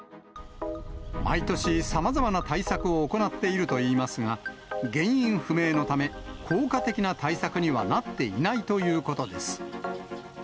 毎年、さまざまな対策を行っているといいますが、原因不明のため、効果的な対策にはなっていないということです。